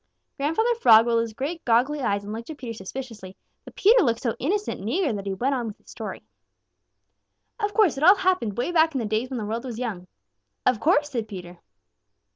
Grandfather Frog rolled his great, goggly eyes and looked at Peter suspiciously, but Peter looked so innocent and eager that he went on with his story. "Of course, it all happened way back in the days when the world was young." "Of course!" said Peter.